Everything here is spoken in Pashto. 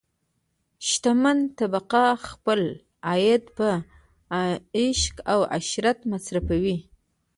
شتمنه طبقه خپل عاید په عیش او عشرت مصرفوي.